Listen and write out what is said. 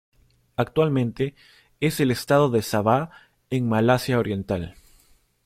Actualmente, es el estado de Sabah en Malasia Oriental.